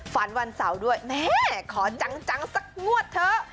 วันเสาร์ด้วยแม่ขอจังสักงวดเถอะ